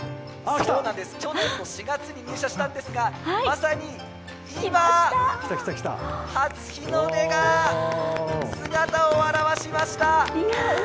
ちょうど４月に入社したんですが、まさに今、初日の出が姿を現しました。